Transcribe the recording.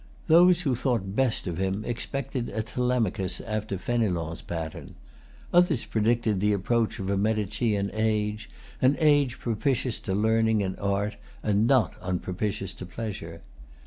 Those who thought best of[Pg 256] him, expected a Telemachus after Fénelon's pattern. Others predicted the approach of a Medicean age,—an age propitious to learning and art, and not unpropitious to pleasure.